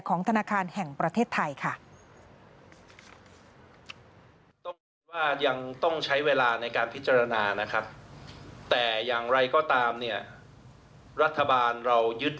ธนาคารแห่งประเทศไทยค่ะ